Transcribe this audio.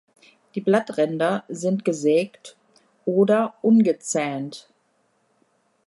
Die Blattränder sind gesägt oder ungezähnt.